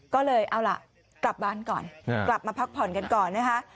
ก็เลยเอาล่ะกลับบ้านก่อนกลับมาพักผ่อนกันก่อนนะคะ